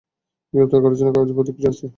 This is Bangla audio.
গ্রেফতার করার জন্য কাগজের প্রক্রিয়া আছে।